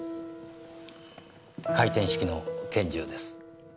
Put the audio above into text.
回転式の拳銃です。